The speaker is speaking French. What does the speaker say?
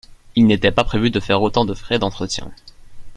Il n’était pas prévu de faire autant de frais d’entretien.